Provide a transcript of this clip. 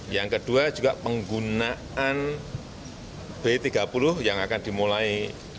yang kedua juga penggunaan b tiga puluh yang akan dimulai